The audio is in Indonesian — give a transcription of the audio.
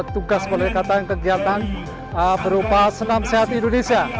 tugas oleh ketua kehidupan berupa senam sehat indonesia